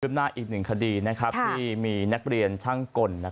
ท่วมหน้าอีก๑คดีที่มีนักเรียนช่างกล